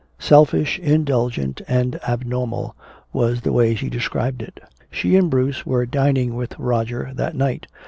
"Selfish, indulgent and abnormal," was the way she described it. She and Bruce were dining with Roger that night.